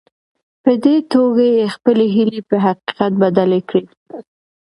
په دې توګه يې خپلې هيلې په حقيقت بدلې کړې.